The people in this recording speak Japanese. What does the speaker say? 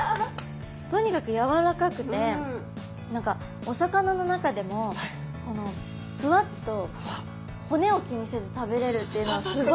とにかくやわらかくて何かお魚の中でもふわっと骨を気にせず食べれるっていうのがすごい